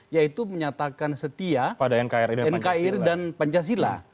yaitu menyatakan setia pada nkri dan pancasila